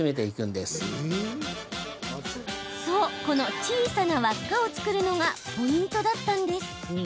そう、この小さな輪っかを作るのがポイントだったんです。